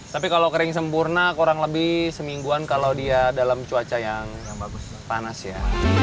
tapi kalau kering sempurna kurang lebih semingguan kalau dia dalam cuaca yang bagus panas ya